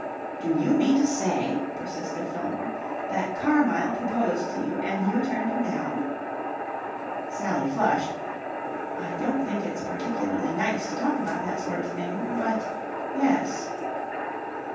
"Do you mean to say," persisted Fillmore, "that Carmyle proposed to you and you turned him down?" Sally flushed. "I don't think it's particularly nice to talk about that sort of thing, but yes."